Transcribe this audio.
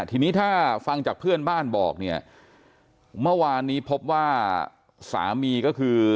ทีนี้ถ้าฟังจากเพื่อนบ้านบอกเนี่ยเมื่อวานนี้พบว่าสามีก็คือ